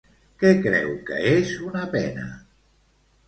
Què creu que és una pena?